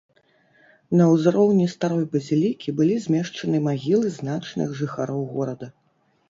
На ўзроўні старой базілікі былі змешчаны магілы значных жыхароў горада.